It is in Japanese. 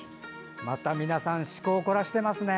また皆さん趣向を凝らしていますね。